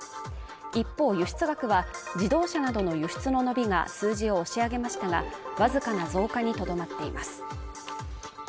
一方輸出額は、自動車などの輸出の伸びが数字を押し上げましたが、わずかな増加にとどまっています。